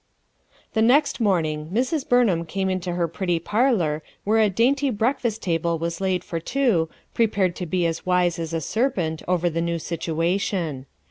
THE next morning Mrs. Eurnham came into her pretty parlor, where a dainty break fast table was laid for two, prepared to be as wise as a serpent over the new situation.